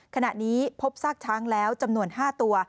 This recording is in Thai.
ขณะนี้พบซากช้างแล้วจำนวน๕ตัว